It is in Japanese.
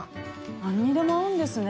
何にでも合うんですね。